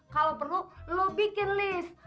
kalau perlu lo bikin lift